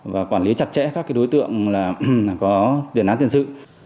và quản lý chặt chẽ các đối tượng có tiền án tiền sự